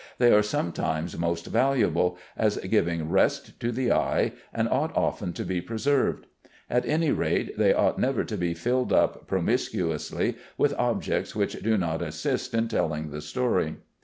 They are sometimes most valuable, as giving rest to the eye, and ought often to be preserved. At any rate, they ought never to be filled up promiscuously with objects which do not assist in telling the story.